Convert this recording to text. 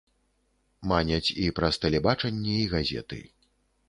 Маняць і праз тэлебачанне і газеты.